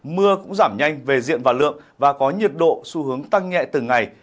mưa cũng giảm nhanh về diện và lượng và có nhiệt độ xu hướng tăng nhẹ từng ngày